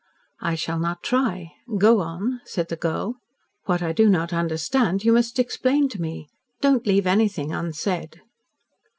"I shall not try. Go on," said the girl. "What I do not understand, you must explain to me. Don't leave anything unsaid."